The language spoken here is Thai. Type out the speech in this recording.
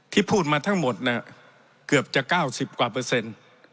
ที่พูดมาทั้งหมดเนี่ยเกือบจะ๙๐กว่าเปอร์เซ็นต์